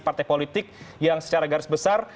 partai politik yang secara garis besar